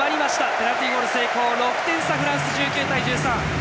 ペナルティーゴール成功で６点差、１９対１３。